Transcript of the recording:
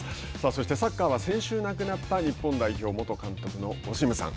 そして、サッカーは先週亡くなった日本代表元監督のオシムさん。